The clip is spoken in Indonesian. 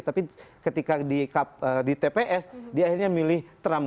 tapi ketika di tps dia akhirnya milih trump